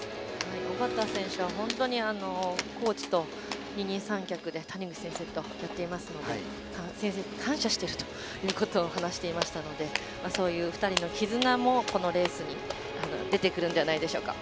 小方選手はコーチと二人三脚で谷口先生とやっていますので先生に感謝しているということを話していましたのでそういう２人の絆もレースに出てくるんじゃないでしょうか。